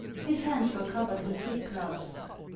His hands were covered with thick gloves.